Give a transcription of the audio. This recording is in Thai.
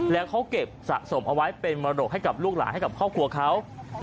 แล้วเขาเก็บสะสมเอาไว้เป็นมรดกให้กับลูกหลานให้กับครอบครัวเขา